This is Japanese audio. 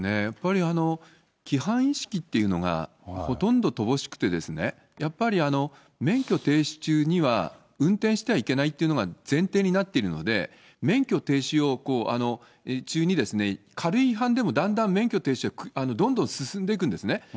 やっぱり、規範意識というのがほとんど乏しくてですね、やっぱり免許停止中には、運転してはいけないっていうのが前提になっているので、免許停止中に軽い違反でもだんだん免許停止は、どんどん進んでいくんですね。